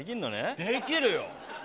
できるよ。